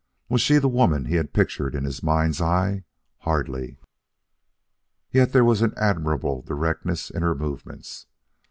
Was she the woman he had pictured in his mind's eye? Hardly. Yet there was an admirable directness in her movements.